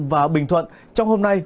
và bình thuận trong hôm nay